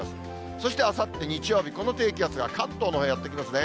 そして、あさって日曜日、この低気圧が関東のほうへやってきますね。